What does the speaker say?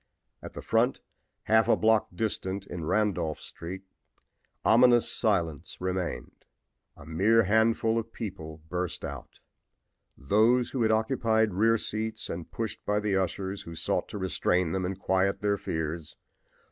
At the front, half a block distant, in Randolph street, ominous silence maintained. A mere handful of people burst out, those who had occupied rear seats and pushed by the ushers who sought to restrain them and quiet their fears.